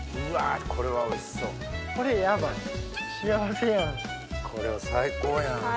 うわこれはおいしそう。